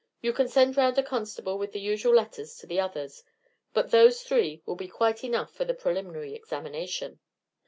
You can send round a constable with the usual letters to the others, but those three will be quite enough for the preliminary examination."